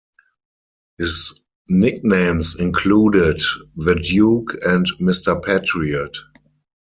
His nicknames included "The Duke" and "Mr. Patriot".